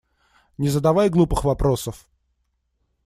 Не задавай глупых вопросов!